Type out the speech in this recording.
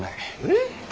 えっ。